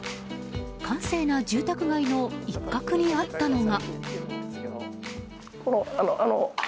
閑静な住宅街の一角にあったのが。